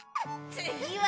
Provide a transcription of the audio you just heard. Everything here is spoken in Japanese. つぎは！